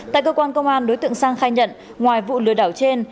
tại cơ quan công an đối tượng sang khai nhận ngoài vụ lừa đảo trên